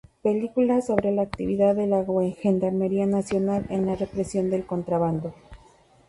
Película sobre la actividad de la Gendarmería Nacional en la represión del contrabando.